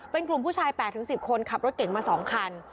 เป็นกลุ่มผู้ชาย๘๑๐คนขับรถเก่งมา๒คัน